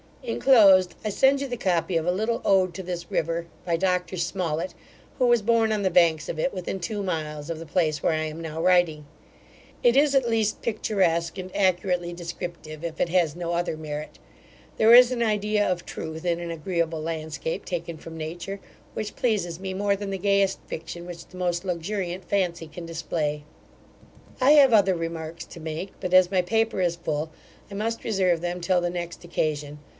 Inclosed I send you the copy of a little ode to this river, by Dr Smollett, who was born on the banks of it, within two miles of the place where I am now writing. It is at least picturesque and accurately descriptive, if it has no other merit. There is an idea of truth in an agreeable landscape taken from nature, which pleases me more than the gayest fiction which the most luxuriant fancy can display. I have other remarks to make; but as my paper is full, I must reserve them till the next occasion.